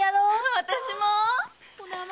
私も！